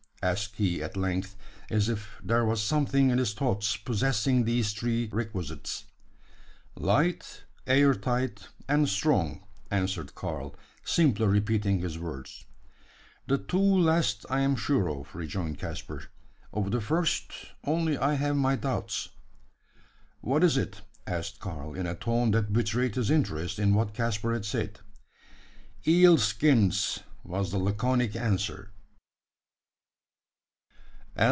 asked he, at length, as if there was something in his thoughts possessing these three requisites. "Light, air tight, and strong," answered Karl, simply repeating his words. "The two last I am sure of," rejoined Caspar. "Of the first only have I my doubts." "What is it?" asked Karl, in a tone that betrayed his interest in what Caspar had said. "Eel skins!" was the laconic answer.